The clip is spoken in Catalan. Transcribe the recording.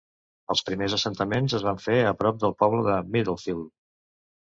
Els primers assentaments es van fer a prop del poble de Middlefield.